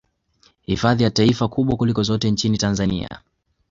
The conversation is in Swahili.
Hifadhi ya taifa kubwa kuliko zote nchini Tanzania